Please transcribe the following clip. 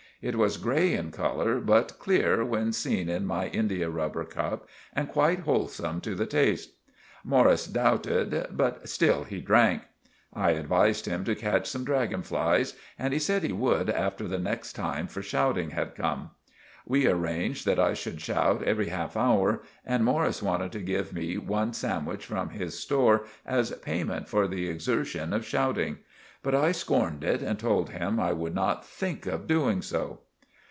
It was grey in colour but clear when seen in my india rubber cup and quite holesome to the taste. Morris douted, but still he drank. I advised him to catch some draggon flies and he said he would after the next time for shouting had come. We arranged that I should shout every half hour, and Morris wanted to give me one sandwich from his store as payment for the exershun of shouting; but I skorned it and told him I would not think of doing so.